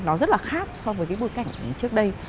nó rất là khác so với cái bối cảnh trước đây